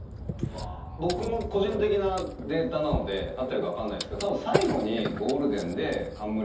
僕の個人的なデータなので合ってるかわからないですけど多分。